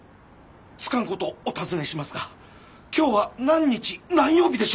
つかぬことお尋ねしますが今日は何日何曜日でしょう？